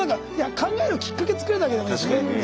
考えるきっかけ作るだけでもいいですね。